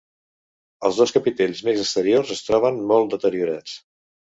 Els dos capitells més exteriors es troben molt deteriorats.